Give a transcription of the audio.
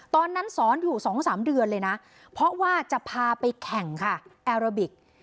ตอนนั้นสอนอยู่๒๓เดือนเลยนะเพราะว่าจะพาไปแข่งค่ะแอโรบิก